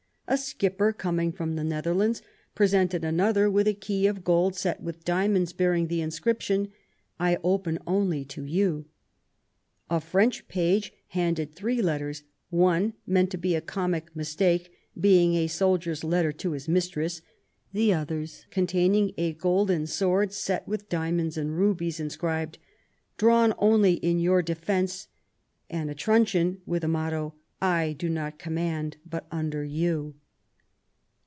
A skipper coming from the Nether lands presented another with a key of gold set with diamonds, bearing the inscription :" I open only to you". A French page handed three letters — one meant to be a comic mistake, being a soldier's letter to his mistress — the others containing a golden sword set with diamonds and rubies, inscribed :" Drawn only in your defence,'* and* a truncheon with a motto :I do not command but under you